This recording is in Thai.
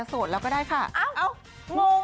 มีค่ะตอนนี้ก็มีอยู่ก็ยังคุยกันอยู่